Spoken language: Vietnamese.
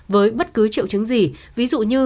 với bất cứ triệu chứng gì ví dụ như